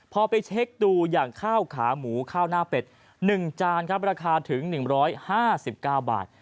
พอไปเช็คดูอย่างข้าวขาหมูข้าวหน้าเป็ด๑จานครับราคาถึง๑๕๙บาท